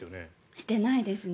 していないですね。